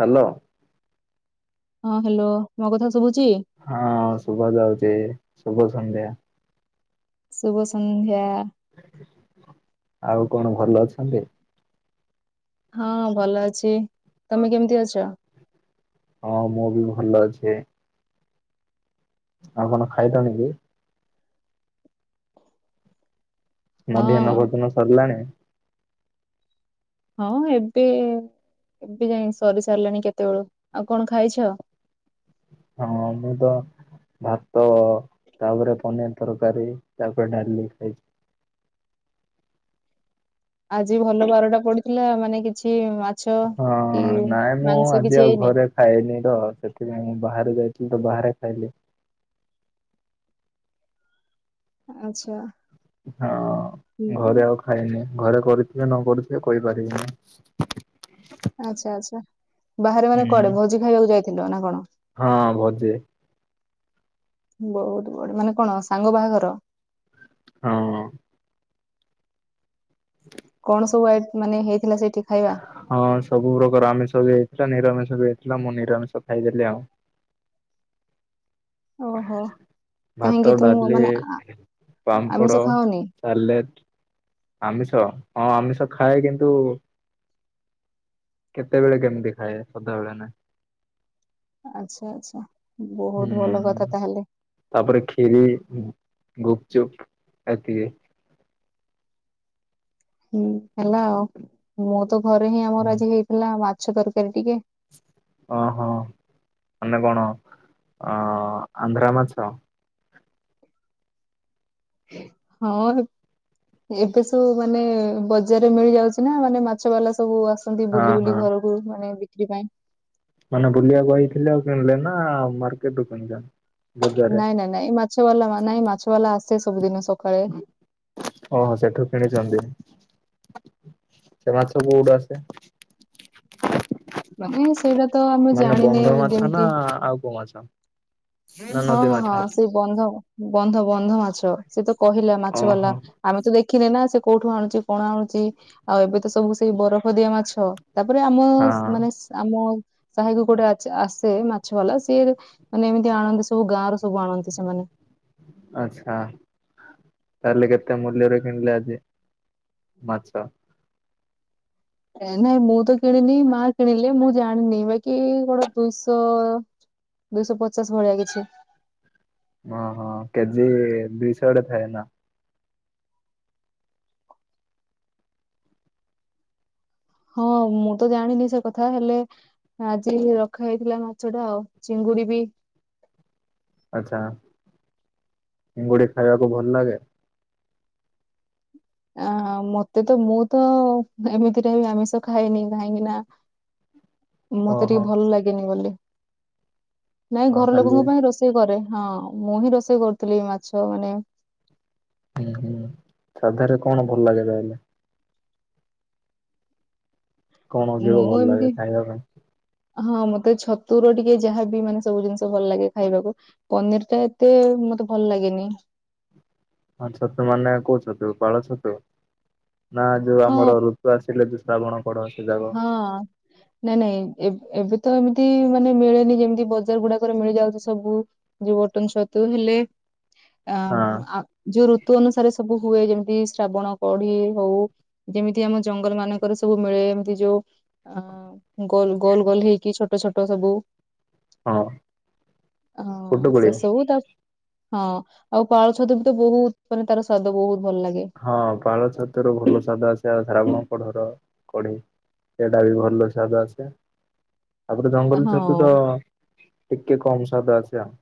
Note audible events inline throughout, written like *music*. Hello. ହଁ hello ମୋ କଥା ଶୁଭୁଛି? ହଁ ଶୁଭା ଯାଉଛି ଶୁଭ ସନ୍ଧ୍ୟା। ଶୁଭ ସନ୍ଧ୍ୟା। ଆଉ କଣ ଭଲ ଅଛନ୍ତି? ହଁ ଭଲ ଅଛି ତମେ କେମିତି ଅଛ? ହଁ ମୁଁ ବି ଭଲ ଅଛି। ଆଉ କଣ ଖାଇଲଣି କି? ମଧ୍ୟାହ୍ନ ହଁ ଭୋଜନ ସରିଲାଣି। ହଁ ଏବେ ଏବେ ଯାଇ ସରି ସାରିଲାଣି କେତେବେଳୁ ଆଉ କଣ ଖାଇଛ? ହଁ ମୁଁ ତ ଭାତ ତାପରେ ପନିର ତରକାରୀ ତାପରେ ଡାଲି ଖାଇଛି। ଆଜି ଭଲ ବାରଟା ପଡିଥିଲା ମାନେ କିଛି ମା ହଁ ନାଇଁ ମୁଁ ଆଉ ଆଜି ଆଉ ହେଇନି ଘରେ ଖାଇନି ତ ସେଥିପାଇଁ ବାହାରେ ଯାଇଥିଲି ତ ବାହାରେ ଖାଇଲି। ଆଚ୍ଛା। ହଁ ଘରେ ହୁଁ ଆଉ ଖାଇନି ଘରେ କରିଥିବେ ନ କରିଥିବେ କହିପାରିବିନି। ଆଚ୍ଛା ଆଚ୍ଛା ବାହାରେ ମାନେ କୁଆଡେ ହୁଁ ଭୋଜି ଖାଇବାକୁ ଯାଇଥିଲ ନା କଣ? ହଁ ଭଜେ ବହୁତ ବଢିଆ ମାନେ କଣ ସାଙ୍ଗ ବାହାଘର। ହଁ। ହ *inaudible* କଣ ସବୁ ଆଇ ମାନେ ହେଇଥିଲା ସେଇଠି ଖାଇବା। ହଁ ସବୁ ପ୍ରକାର ଆମିଷ ବି ହେଇଥିଲା ନିରାମିଷ ବି ହେଇଥିଲା। ମୁଁ ନିରାମିଷ ଖାଇଦେଲି ଆଉ। ଓହୋ ଭାତ, କାହିଁକି ତୁମ ଡାଲି, ମାନେ ଆ- ଆମିଷ ପାମ୍ପଡ଼ ଖାଅନି? ସାଲେଟ ଆମିଷ ହଁ ଆମିଷ ଖାଏ କିନ୍ତୁ କେତେବେଳେ କେମିତି ଖାଏ ସଧାବେଳେ ନୁହେଁ। ଆଚ୍ଛା ଆଚ୍ଛା ବହୁତ ଭଲ ହୁଁ କଥା ତାହେଲେ। ତାପରେ ଖୀରି, ଗୁପଚୁପ ଏତିକି। ହୁଁ ହେଲୋ ମୁଁ ତ ଘରେ ହିଁ ଆମର ଆଜି ହେଇଥିଲା ମାଛ ତରକାରୀ ଟିକେ। ଓ ହୋ ମାନେ କଣ ଅ ଆନ୍ଧ୍ରା ମାଛ। ହଁବେ। ଏବେ ସବୁ ମାନେ ବଜାରରେ ମିଳି ଯାଉଛି ନା ମାନେ ମାଛ ବାଲା ସବୁ ଆସୁ ଏମିତି ହଁ ବୁଲି ହଁ ବୁଲି ଘରକୁ ମାନେ ବିକ୍ରି ପାଇଁ। ମାନେ ବୁଲିବାକୁ ଆଇଥିଲେ ଆଉ କିଣିଲେ ନା ମାର୍କେଟରୁ କିଣିକି ଆଣି ନାଇଁ ନାଇଁ ନାଇଁ ମାଛ ବାଲା ନାଇଁ ମାଛ ବାଲା ଆସେ ସବୁଦିନ ସକାଳେ। ଓହୋ ସେଠୁ କିଣିଛନ୍ତି ସେ ମାଛ କୋଉଠୁ ଆସେ। ମାନେ ସେଇଟା ତ ଆମେ ଜାଣିନେ ଯେମତି। ହଁ ଆଉ କଉ ମାଛ। ନା ହଁ ନଦୀ ହଁ ମାଛ ହଁ ସେ ବନ୍ଧ ବନ୍ଧ ବନ୍ଧ ମାଛ ସେ ତ କହିଲା ମାଛ ଓହୋ ବାଲା। ହଁ ଆମେ ତ ଦେଖିନେ ନା ସେ କୋଉଠୁ ଆଣୁଛି କଣ ଆଣୁଛି ଆଉ ଏବେ ତ ସବୁ ସେଇ ବରଫ ଦିଆ ମାଛ। ତାପରେ ଆମ ମାନେ ଆମ। ସାହି କୁ ଗୋଟେ ଆସେ ମାଛ ବାଲା ସିଏ ମାନେ ଏମିତି ଆଣନ୍ତି। ସବୁ ଗାଁ ର ସବୁ ଆଣନ୍ତି ସେମାନେ। ଆଚ୍ଛା। ତାହେଲେ କେତେ ମୂଲ୍ୟରେ କିଣିଲେ ଆଜି ମାଛ। ନାଇଁ ମୁଁ ତ କିଣିନି ମା କିଣିଲେ ମୁଁ ଜାଣିନି ବାକି ଗୋଟେ ଦୁଇଶହ। ଦୁଇଶହ ପଚାଶ ଭଳିଆ କିଛି। ଓହୋ କେଜି ଦିଇଶହଡେ ଥାଏ ନା। ହଁ ମୁଁ ତ ଜାଣିନି ସେ କଥା ହେଲେ। ଆଜି ରଖା ହେଇଥିଲା ମାଛ ଟା ଆଉ ଚିଙ୍ଗୁଡି ବି। ଆଚ୍ଛା ଚିଙ୍ଗୁଡି ଖାଇବାକୁ ଭଲ ଲାଗେ। ଆ ମତେ ତ ମୁଁ ତ ଏମିତିରେ ଆମିଷ ଖାଏନି କାହିଁକି ନା ଓହୋ ମତେ ଟିକେ ଭଲ ଲାଗେନି ବୋଲି। ନାଇଁ ହଁ ଘର ଖାଲି ଲୋକଙ୍କ ପାଇଁ ରୋଷେଇ କରେ ହଁ ମୁଁ ହିଁ ରୋଷେଇ କରୁଥିଲି ମାଛ ମାନେ। ହୁଁ ହୁଁ ସାଧାରେ କଣ ଭଲ ଲାଗେ ତାହେଲେ। କଣ ଯିବ ମୁଁ ଭଲ ଏମିତି ଲାଗେ ଖାଇବା ପାଇଁ। ହଁ ମତେ ଛତୁର ଟିକେ ଯାହାବି ମାନେ ସବୁ ଜିନିଷ ଭଲ ଲାଗେ ଖାଇବାକୁ। ପନିର ଟା ଏତେ ମତେ ଭଲ ଲାଗେନି। ହଁ ଛତୁ ମାନେ କହୁଛତୁ ପାଳଛତୁ ନା ଯୋଉ ହଁ ଆମର ଋତୁ ଆସିଲେ। ଶ୍ରାବଣ ପଡ ଅଛି। ହଁ। ନାଇଁ ନାଇଁ ଏବେ ତ ଏମିତି ମାନେ ମିଳେନି ଯେମିତି ବଜାର ଗୁଡାକରେ ମିଳିଯାଉଛି ସବୁ। ଯୋଉ ବଟନ ଛତୁ ହେଲେ ହଁ ଅ ଯଉ ଋତୁ ଅନୁସାରେ। ସବୁ ହୁଏ ଯେମିତି ଶ୍ରାବଣ କଢି ହଉ ଯେମିତି ଆମ ଜଙ୍ଗଲ ମାନଙ୍କର ସବୁ ମିଳେ। ଯୋଉ ଅ ଗଲ ଗୋଲ ଗୋଲ ହେଇକି ଛୋଟ ଛୋଟ ସବୁ। ହଁ ହଁ ଫୁଟୁକୁଳି ସେ ସେବୁ ତ। ହଁ ଆଉ ପାଳ ଛତୁ ବି ତ ବହୁତ ମାନେ ତାର ସ୍ଵାଦ ବହୁତ ଭଲ ଲାଗେ। ହଁ ପାଳ ଛତରୁ ଭଲ ସ୍ୱାଦ ଆସେ ଶ୍ରାବଣ କଢ଼ର କଢି। ସେଇଟା ବି ଭଲ ସ୍ୱାଦ ଆସେ। ତାପରେ ଜଙ୍ଗଲ ହଁ ଛତୁ ତ ଟିକେ କମ ସ୍ୱାଦ ଆସେ ଆଉ।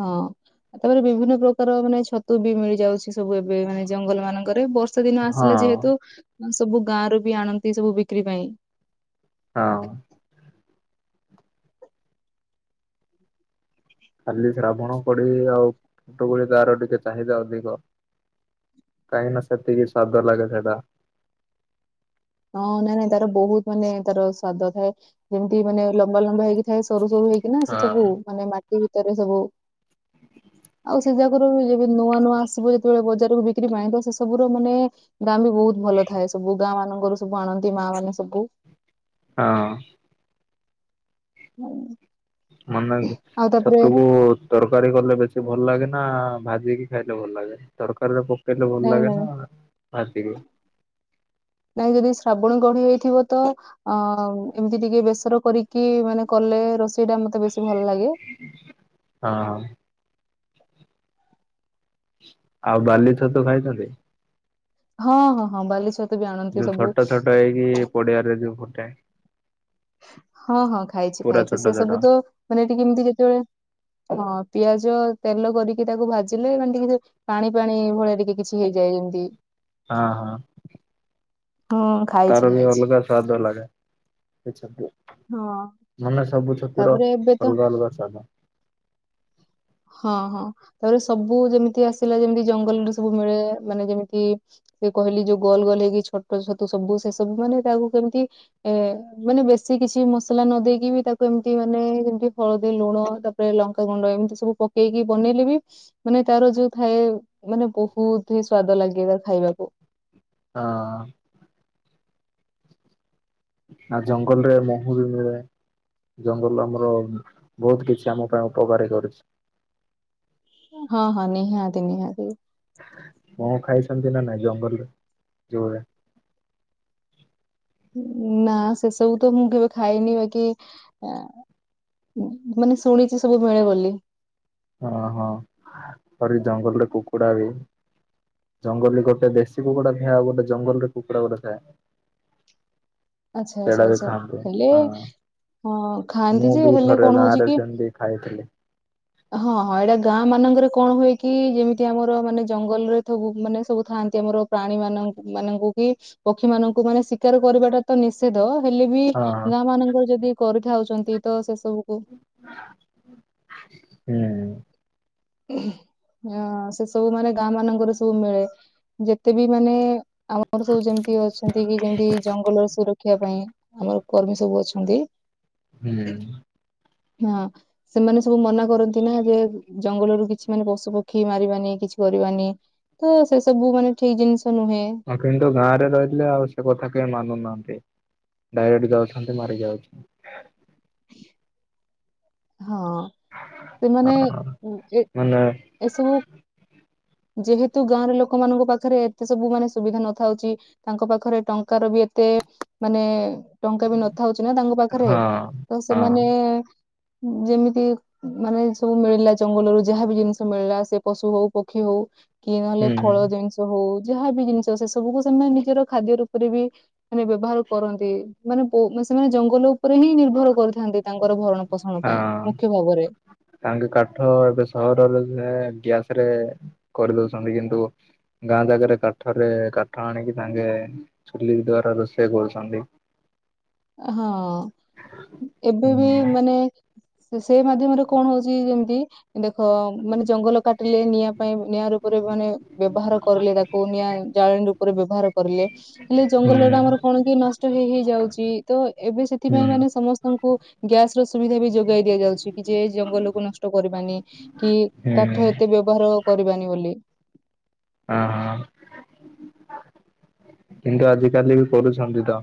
ହଁ। ଆ ତାପରେ ବିଭିନ୍ନ ପ୍ରକାର ମାନେ ଛତୁ ବି ମିଳି ଯାଉଛି ସବୁ ଏବେ ମାନେ ଜଙ୍ଗଲ ମାନଙ୍କରେ ବ। ଦଶ ଦିନ ଆସିଲା ହଁ ଯେହେତୁ ସବୁ ଗାଁରୁ ବି ଆଣନ୍ତି ସବୁ ବିକ୍ରି ପାଇଁ। ହଁ। ଖାଲି ଶ୍ରାବଣ ପଡି ଆଉ ଫଟ ଗ ତାର ଟିକେ ଚାହିଦା ଅଧିକ। କାଇଁ ନା ସେତିକି ସ୍ୱାଦ ଲାଗେ ସେଇଟା। ହଁ ନାଇଁ ନାଇଁ ତାର ବହୁତ ମାନେ ତାର ସ୍ଵାଦ ଥାଏ ଯେମିତି ମାନେ ଲମ୍ବା ଲମ୍ବା ହେଇକି। ଏ ସରୁ ସରୁ ହେଇକିନା ସେ ହଁ ସବୁ ମାନେ ମାଟି ଭିତରେ ସବୁ। ଆଉ ସେ ଜାଗା ରୁ ଯେବେ ନୂଆ ନୂଆ ଆସିବ ଯେତେବେଳେ ବଜାରକୁ ବିକ୍ରି ପାଇଁ ସେ ସବୁର ମାନେ ଗାଁ ବି ବହୁତ ଭଲ ଥାଏ ସବୁ ଗାଁ ମାନଙ୍କର ସବୁ ଆଣନ୍ତି ମା ମାନେ ସବୁ। ହଁ। ହୁଁ। ମାନେ ଛାତକୁ ତରକାରୀ କଲେ ବେଶୀ ଭଲ ଲାଗେ ନା ଭାଜିକି ଖାଇଲେ ଭଲ ଲାଗେ ତରକାରୀରେ ପ ହେଲେ ଭଲ ନାଇଁ ଲାଗେ ନାଇଁ ନା ହେତିକି ନାଇଁ ଯଦି ଶ୍ରାବଣ ଗଢି ହେଇଥିବ ତ ଅ ଏମିତି ଟିକେ ବେସର କରିକି ମାନେ କଲେ ରୋଷେଇ ଟା ମତେ ବେଶୀ ଭଲ ଲାଗେ। ହଁ ହଁ। ଆଉ ବାଲି ଛତୁ ଖାଇଛନ୍ତି? ହଁ ହଁ ହଁ ବାଲେଶ୍ବର ଯୋଉ ଛୋଟ ଛୋଟ ହେଇକି ପଡିଆରେ ଯୋଉ ଫୁଟେ। ହଁ ହଁ ଖାଇଛି ପୁରା ଖାଇଛି ଛୋଟ ସେ ଛୋଟ ସବୁ ତ ମାନେ ଟିକେ ଏମିତି ଯେତେବେଳେ ହଁ ପିଆଜ ତେଲ କରିକି ତାକୁ ଭାଜିଲେ ମାନେ ଟିକେ ପାଣି ପାଣି ଭଳିଆ ଟିକେ କିଛି ହେଇଯାଏ ଯେମତି। ହଁ ହଁ। ହଁ ଖାଇଛି ତାର ବି ଖାଇଛି ଅଲଗା ସ୍ୱାଦ ଲାଗେ ସେ ଛତୁ। ହଁ। ମାନେ ସବୁ ଛତୁ ର ତାପରେ ଏବେ ତ ଅଲଗା ଅଲଗା ସ୍ଵାଦ। ହଁ ହଁ ତାପରେ ସବୁ ଯେମିତି ଆସିଲା ଯେମିତି ଜଙ୍ଗଲରେ ସବୁ ମିଳେ ମାନେ ଯେମିତି ଜଉ କହିଲି ଯୋଉ ଗୋଲ ଗୋଲ ହେଇକି ଛୋଟ ଛତୁ ସବୁ ସେ ସବୁ ମାନେ ତାକୁ କେମିତି ଏ ମାନେ ବେଶୀ କିଛି ମସଲା ନ ଦେଇେଇକି ବି ତାକୁ ଏମିତି ମାନେ ଯେମତି ହଳଦୀ ଲୁଣ ତାକୁ ଲଙ୍କାଗୁଣ୍ଡ ଏମିତି ସବୁ ପକେଇକି ବନେଇଲେ ବି ମାନେ ତାର ଯୋଉ ଥାଏ ମାନେ ବହୁତ ହିଁ ସ୍ଵାଦ ଲାଗେ ତାର ଖାଇବାକୁ। ହଁ। ଆ ଜଙ୍ଗଲରେ ମହୁ ବି ମିଳେ। ଜଙ୍ଗଲ ଆମର ବହୁତ କିଛି ଆମ ପାଇଁ ଉପକାରୀ କରିଚି। ହଁ ହଁ ନିହାତି ନିହାତି। ମ ଖାଇଛନ୍ତି ନା ନାଇଁ ଜଙ୍ଗଲରେ ଜୋଲରେ? ନା ସେସବୁ ତ ମୁଁ କେବେ ଖାଇନି ବାକି ମାନେ ଶୁଣିଛି ସବୁ ମିଳେ ବୋଲି। ହଁ ହଁ ଆରେ ଜଙ୍ଗଲରେ କୁକୁଡା ବି। ଜଙ୍ଗଲରେ ଗୋଟେ ଦେଶୀ କୁକୁଡା ଥାଏ ଆଉ ଗୋଟେ ଜଙ୍ଗଲରେ କୁକୁଡା ଗୋଟେ ଥାଏ। *unintelligible* ଆଚ୍ଛା ଆଚ୍ଛା ସେଇଟା ବି ଆଚ୍ଛା ଖାଆନ୍ତି ହେଲେ ହଁ ହଁ ଖାଆନ୍ତି ଯେ ହେଲେ କଣ ହଉଛି କି ଦେଇଖାଇଥିଲେ। ହଁ ହଁ ଏଇଟା ଗାଁ ମାନଙ୍କରେ କଣ ହୁଏ କି ଯେମିତି ଆମର ମାନେ ଜଙ୍ଗଲରେ ସବୁ ମାନେ ସବୁ ଥାଆନ୍ତି ଆମର। ପ୍ରାଣୀ ମାନ ମାନଙ୍କୁ କି ପକ୍ଷୀ ମାନଙ୍କୁ ମାନେ ଶିକାର କରିବାଟା ତ ନିଷେଧ ହେଲେ ବି ହଁ ଗାଁ ମାନଙ୍କର ଯଦି କରିଥାଉଛନ୍ତି ତ ସେ ସବୁକୁ ହୁଁ। ସେ ସବୁ ମାନେ ଗାଁ ମାନଙ୍କର ସବୁ ମିଳେ ଯେତେ ବି ମାନେ ଆମର ସବୁ ଯେମିତି ଅଛନ୍ତି କି ଯେମତି ଜଙ୍ଗଲର ସୁରକ୍ଷା ପାଇଁ ଆମର କର୍ମୀ ସବୁ ଅଛନ୍ତି। ହୁଁ। ହଁ ସେମାନେ ସବୁ ମନା କରନ୍ତି ନା ଯେ ଜଙ୍ଗଲରୁ କିଛି ମାନେ ପଶୁ ପକ୍ଷୀ ମାରିବାନି କିଛି କରିବାନି। ତ ସେ ସବୁ ମାନେ ଠିକ ଜିନିଷ ନୁହେଁ। ହଁ କିନ୍ତୁ ଗାଁ ରେ ରହିଥିଲେ ଆଉ ସେ କଥା କେହି ମାନୁନାହାନ୍ତି। ଡାଇରେକ୍ଟ ଯାଉଛନ୍ତି ମାରିକିଆଉଛନ୍ତି। ହଁ ସେମାନେ ଏ ମାନେ ଏସବୁ ଯେହେତୁ ଗାଁର ଲୋକମାନଙ୍କ ପାଖରେ ଏତେ ସବୁ ମାନେ ସୁବିଧା ନଥାଉଚି ତାଙ୍କ ପାଖରେ ଟଙ୍କାର ବି ଏତେ ମାନେ ଟଙ୍କା ବି ନଥାଉଛି ନା ତାଙ୍କ ପାଖରେ ହଁ ତ ହଁ। ସେମାନେ ଯେମିତି ମାନେ ସବୁ ମିଳିଲା ଜଙ୍ଗଲରୁ ଯାହା ବି ଜିନିଷ ମିଳିଲା ସେ ପଶୁ ହଉ ପକ୍ଷୀ ହଉ କି ନହେଲେ ହୁଁ ଫଳ ଜିନିଷ ହଉ ଯାହା ବି ଜିନିଷ ସେ ସବୁକୁ ସେମାନେ ନିଜର ଖାଦ୍ୟ ରୂପରେ ବି ମାନେ ବ୍ୟବହାର କରନ୍ତି ମାନେ ସେମାନେ ଜଙ୍ଗଲ ଉପରେ ହିଁ ନିର୍ଭର କରିୁଥାନ୍ତି ତାଙ୍କର ଭରଣ ପୋଷଣ ପାଇଁ ହଁ ମୁଖ୍ୟ ଭାବରେ। ତାଙ୍କେ କାଠ ଏବେ ସହରରେ ସେ ଗ୍ୟାସ ରେ କରିଦଉଛନ୍ତି କିନ୍ତୁ? ଗାଁ ଜାଗାରେ କାଠରେ କାଠ ଆଣିକି ସାଙ୍ଗେ ଚୁଲି ଦ୍ଵାରା ରୋଷେଇ କରୁଛନ୍ତି। ହଁ ଏବେ ହୁଁ ବି ମାନେ ସେଇ ମାଧ୍ୟମରେ କଣ ହଉଛି ଯେମିତି ଦେଖ ମାନେ ଜଙ୍ଗଲ କାଟିଲେ ନିଆଁ ପାଇଁ ନିଆଁ ରୂପରେ ମାନେ ବ୍ୟବହାର କରିଲେ ତାକୁ ନିଆଁ ଜାଳିଣୀ ରୂପରେ ବ୍ୟବହାର କରିଲେ ହେଲେ ଜଙ୍ଗଲ ଟା ହୁଁ ଆମର କଣ କି ନଷ୍ଟ ହେଇ ହୋଇ ଯାଉଛି। ତ ଏବେ ହୁଁ ସେଥିପାଇଁ ମାନେ ସମସ୍ତେ ଙ୍କୁ ଗ୍ୟାସ ର ସୁବିଧା ବି ଯୋଗାଇ ଦିଆଯାଉଛି କି ଯେ ଜଙ୍ଗଲକୁ ନଷ୍ଟ କରିବାନି। କି ହଁ କାଠ ଏତେ ବ୍ୟବହାର କରିବାନି ବୋଲି। ହଁ ହଁ। କିନ୍ତୁ ଆଜିକାଲି ବି କରୁଛନ୍ତି ତ।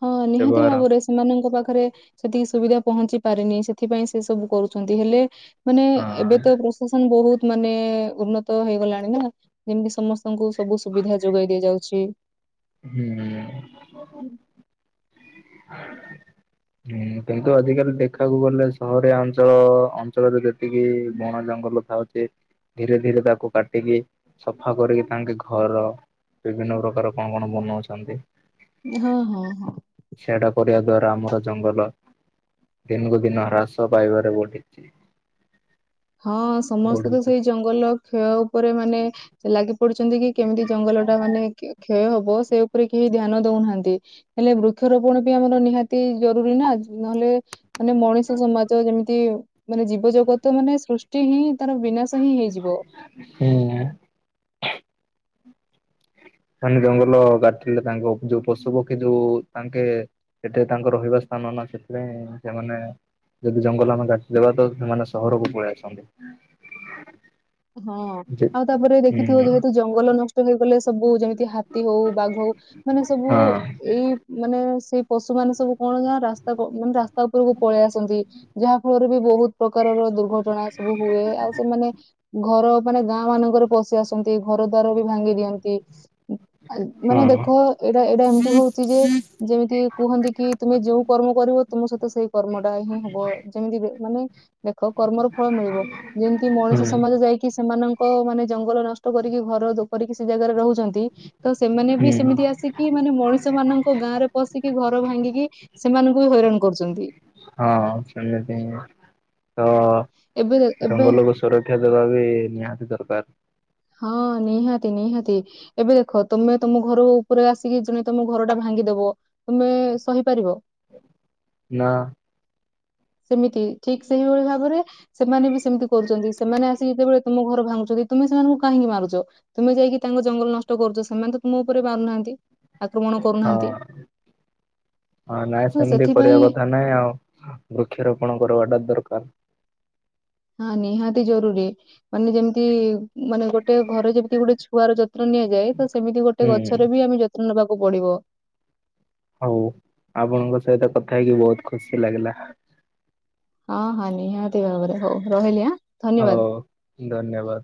ହଁ ନିହାତି ବ୍ୟବହାର ଭାବରେ ସେମାନଙ୍କ ପାଖରେ ସେତିକି ସୁବିଧା ପହଞ୍ଚି ପାରିନି ସେଥିପାଇଁ ସେ ସବୁ କରୁଛନ୍ତି ହେଲେ ମାନେ ହଁ ଏବେ ତ ପ୍ରଶାସନ ବହୁତ ମାନେ ଉନ୍ନତ ହେଇଗଲାଣି ନା ଯେମିତି ସମସ୍ ସମସ୍ତଙ୍କୁ ସବୁ ସୁବିଧା ଯୋଗାଇ ଦିଆଯାଉଛି। ହୁଁ *unintelligible* ଆ *unintelligible* କିନ୍ତୁ ଆଜିକାଲି ଦେଖିବାକୁ ଗଲେ ସହରିଆ ଅଞ୍ଚଳ ଅଞ୍ଚଳରେ ଯେତିକି ବଣ ଜଙ୍ଗଲ ଥାଉଛି ଧୀରେ ଧୀରେ ତାକୁ କାଟିକି ସଫା କରିକି ତାଙ୍କେ ଘର ବିଭିନ୍ନ ପ୍ରକାର କଣ କଣ ବନାଉଛନ୍ତି। ହଁ ହଁ ହଁ। ସେଟା କରିବା ଦ୍ଵାରା ଆମର ଜଙ୍ଗଲ ଦିନକୁ ଦିନ ହ୍ରାସ ପାଇବାରେ ବଢିଛି। ହଁ ସମସ୍ତେ ତ ବଢୁଛି ସେଇ ଜଙ୍ଗଲ କ୍ଷୟ ଉପରେ ମାନେ ସେ ଲାଗି ପଡୁଛନ୍ତି କି କେମିତି ଜଙ୍ଗଲଟା ମାନେ କ୍ଷୟ ହବ ସେ ଉପରେ କେହି ଧ୍ୟାନ ଦଉନାହାନ୍ତି ହେଲେ ବୃକ୍ଷରୋପଣ ବି ଆମର ନିହାତି ଜରୁରୀ ନା ନହେଲେ ମାନେ ମଣିଷ ସମାଜ ଯେମିତି ମାନେ ଜୀବଜଗତ ମାନେ ଟି ହିଁ ତାର ବିନାଶ ହିଁ ହେଇଯିବ। ହୁଁ। ସେମାନେ ଜଙ୍ଗଲ ଗାଟିଲେ ତାଙ୍କ ଯୋଉ ପଶୁ ପକ୍ଷୀ ଯୋଉ ତାଙ୍କେ ସେଠି ତାଙ୍କ ରହିବା ସ୍ଥାନ ନା ସେଥିପାଇଁ ସେମାନେ ଯଦି ଜଙ୍ଗଲ ଆମେ ଗାଟିଦବା ତ ସେମାନେ ସହରକୁ ପଳେଇ ଆସଛନ୍ତି। ହଁ ଆଉ ତାପରେ ଦେଖିଥିବ ଯେହେତୁ ଜଙ୍ଗଲ ନଷ୍ଟ ହେଇଗଲେ ସବୁ ଯେମି ହାତୀ ହଉ ବାଘ ହଉ ମାନେ ସବୁ ହଁ ଏଇ ମାନେ ସେଇ ପଶୁ ମାନେ ସବୁ କଣ ଯାହା ରାସ୍ତା ପ୍ରୋବଲେମ ରାସ୍ତା ଉପରକୁ ପଳେଇ ଆସନ୍ତି ଯାହା ଫଳରେ ବି ବହୁତ ପ୍ରକାରର ଦୁର୍ଘଟଣା ସବୁ ହୁଏ ଆଉ ସେମାନେ ଘର ମାନେ ଗାଁ ମାନଙ୍କରେ ପଶି ଆସନ୍ତି ଘର ଦ୍ୱାର ବି ଭାଙ୍ଗି ଦିଅନ୍ତି। ମାନେ ହଁ। ଦେଖ ଏଇଟା ଏଇଟା ଏମିତି ହଉଛି ଯେ ଯେମିତି କୁହନ୍ତି କି ତୁମେ ଯୋଉ କର୍ମ କରିବ ତୁମ ସହିତ ସେଇ କର୍ମ ଟା ହିଁ ହବ ଯେମିତି ମାନେ ଦେଖ କର୍ମର ଫଳ ମିଳିବ ଯେମିତି ହୁଁ ମଣିଷ ସମାଜ ଯାଇକି ସେମାନଙ୍କ ମାନେ ଜଙ୍ଗଲ ନଷ୍ଟ କରିକି ଘର କରିକି ସେ ଜାଗାରେ ରହୁଛନ୍ତି। ତ ସେମାନେ ବି ହୁଁ ସେମିତି ଆସିକି ମାନେ ମଣିଷ ମାନଙ୍କ ଗାଁ ରେ ପଶିକି ଘର ଭାଙ୍ଗିକି ସେମାନଙ୍କୁ ବି ହଇରାଣ କରୁଛନ୍ତି। ହଁ ହଁ ସେମିତି ତ ଏବେ ଦେ- ଏବେ ଜଙ୍ଗଲ ଗ ସୁରକ୍ଷା ଦେବା ବି ନିହାତି ଦରକାର। ହଁ ନିହାତି ନିହାତି। ଏବେ ଦେଖ ତମେ ତମ ଘର ଉପରେ ଆସିକି ଜଣେ ତମ ଘର ଟା ଭାଙ୍ଗିଦବ। ତମେ ସହିପାରିବ। ନା। ସେମିତି ଠିକ ସେଇଭଳି ଭାବରେ ସେମାନେ ବି ସେମତି କରୁଛନ୍ତି ସେମାନେ ଆସିି ଯେତେବେଳେ ତୁମ ଘର ଭାଙ୍ଗୁଛନ୍ତି ତୁମେ ସେମାନଙ୍କୁ କାହିଁକି ମାରୁଛ ତୁମେ ଯାଇକି ତାଙ୍କ ଜଙ୍ଗଲ ନଷ୍ଟ କରୁଛ ସେମାନେ ତ ତୁମ ଉପରେ ମାରୁନାହାନ୍ତି। ଆକ୍ରମଣ ହଁ କରୁନାହାନ୍ତି ହଁ ନାଇଁ ତ ସେମିତି କରିବା ସେଥିପାଇଁ କଥା। ନାଇଁ ଆଉ ବୃକ୍ଷରୋପଣ କରିବାଟା ଦରକାର। ହଁ ନିହାତି ଜରୁରୀ। ମାନେ ଯେମିତି ମାନେ ଗୋଟେ ଘରେ ଯେମିତି ଗୋଟେ ଛୁଆର ଯତ୍ନ ନିଆଯାଏ। ତ ସେମିତି ଗୋଟେ ହୁଁ ଗଛରେ ବି ଆମେ ଯତ୍ନ ନେବାକୁ ପଡିବ। ହଉ ଆପଣଙ୍କ ସହିତ କଥା ହେଇକି ବହୁତ ଖୁସି ଲାଗିଲା। ହଁ ହଁ ନିହାତି ଭାବରେ ହଉ ରହିଲି ଆଁ ଧନ୍ୟବାଦ। ହଉ ଧନ୍ୟବାଦ।